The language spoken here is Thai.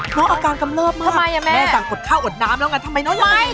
น้องอาการกำลับมากแม่สั่งกดข้าวอดน้ำแล้วงั้นทำไมน้องยังไงนี่